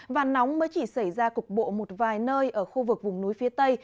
và nóng mới chỉ xảy ra cục bộ một vài nơi ở khu vực vùng núi phía tây